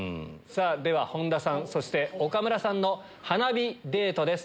では本田さんそして岡村さんの花火デートです。